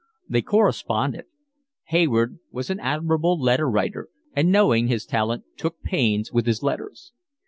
They corresponded. Hayward was an admirable letter writer, and knowing his talent took pains with his letters.